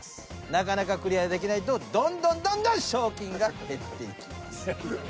なかなかクリアできないとどんどんどんどん賞金が減っていきます。